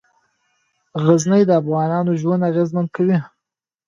غزني د افغانانو ژوند اغېزمن کوي.